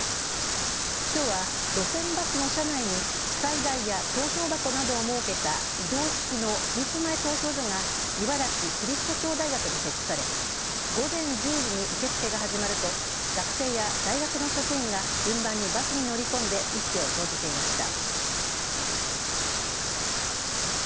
きょうは路線バスの車内に記載台や投票箱などを設けた移動式の期日前投票所が茨城キリスト教大学に設置され午前１０時に受け付けが始まると学生や大学の職員が順番にバスに乗り込んで１票を投じていました。